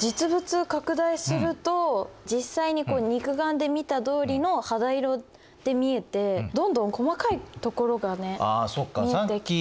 実物拡大すると実際に肉眼で見たとおりの肌色で見えてどんどん細かいところがね見えてきて。